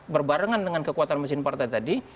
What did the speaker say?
berbarengan dengan kekuatan mesin partai tadi